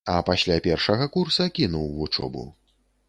А пасля першага курса кінуў вучобу.